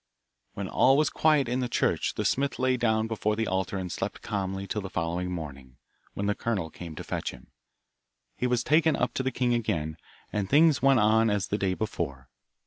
When all was quiet in the church, the smith lay down before the altar and slept calmly till the following morning, when the colonel came to fetch him. He was taken up to the king again, and things went on as the day before.